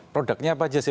produknya apa saja sih